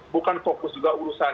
bukan fokus juga urusan